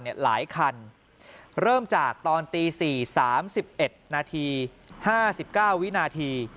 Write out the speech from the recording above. เนี่ยหลายคันเริ่มจากตอนตีสี่สามสิบเอ็ดนาทีห้าสิบเก้าวินาที